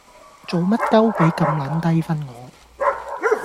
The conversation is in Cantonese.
做乜鳩畀咁撚低分我